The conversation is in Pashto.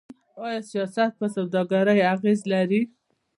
آیا سیاست په سوداګرۍ اغیز لري؟